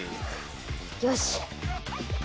よし。